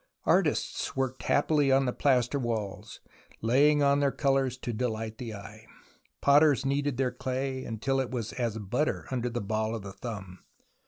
Artists worked happily on the plaster walls, laying on their colours to delight the eye, potters kneaded their clay until it was as butter under the ball of the thumb.